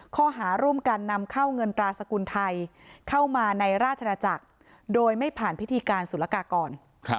ข้อหาร่วมกันนำเข้าเงินตราสกุลไทยเข้ามาในราชนาจักรโดยไม่ผ่านพิธีการสุรกากร